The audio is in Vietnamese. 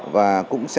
và cũng sẽ